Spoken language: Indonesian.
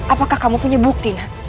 apakah kamu punya bukti